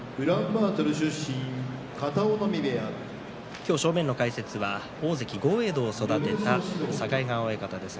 今日、正面の解説は大関豪栄道を育てた境川親方です。